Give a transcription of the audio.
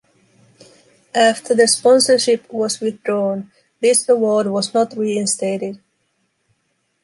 After the sponsorship was withdrawn, this award was not reinstated.